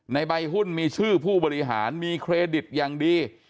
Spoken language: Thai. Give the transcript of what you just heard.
ในใบหุ้นมีชื่อผู้บริหารมีเครดิตอย่างดี